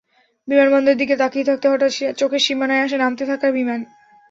বিমানবন্দরের দিকে তাকিয়ে থাকতে হঠাৎ চোখের সীমানায় আসে নামতে থাকা বিমান।